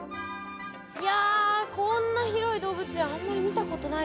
いやこんな広い動物園あんまり見たことないですね。